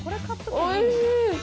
おいしい！